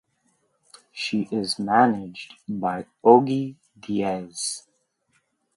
She is managed by Ogie Diaz.